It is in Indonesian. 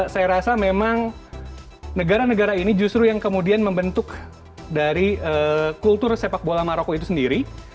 saya rasa memang negara negara ini justru yang kemudian membentuk dari kultur sepak bola maroko itu sendiri